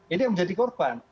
ini yang menjadi korban